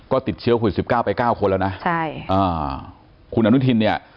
ก็ติดเชื้อหุ่น๑๙ไป๙คนแล้วนะคุณอนุทินเนี่ย